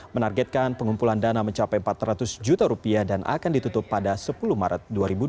menargetkan pengumpulan dana mencapai empat ratus juta rupiah dan akan ditutup pada sepuluh maret dua ribu dua puluh